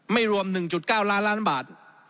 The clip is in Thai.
ไม่รวม๑๙ล้านล้านบาท